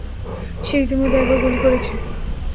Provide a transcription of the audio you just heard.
সে ইতিমধ্যে একবার গুলি করেছে।